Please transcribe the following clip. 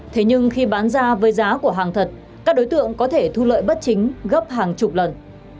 thế nhưng khi bán ra với giá của hàng thật các đối tượng có thể thu lợi bất chính gấp hàng chục lần